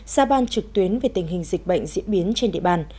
ra ban trực tuyến về tình hình dịch bệnh diễn biến trên địa bàn